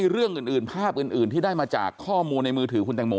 เรื่องอื่นภาพอื่นที่ได้มาจากข้อมูลในมือถือคุณแตงโม